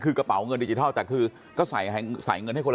คือกระเป๋าเงินดิจิทัลแต่คือก็ใส่เงินให้คนละ